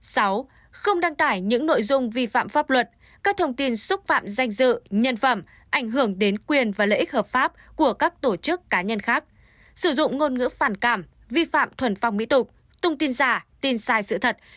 sử dụng ngôn ngữ phản cảm vi phạm thuần phong mỹ tục thông tin giả tin sai sự thật